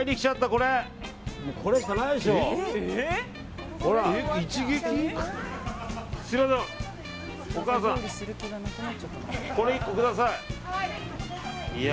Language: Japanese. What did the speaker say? これ１個ください。